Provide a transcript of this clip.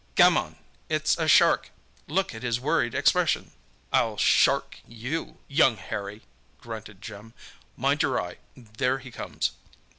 "Gammon!—it's a shark!—look at his worried expression!" "I'll 'shark' you, young Harry!" grunted Jim. "Mind your eye—there he comes!"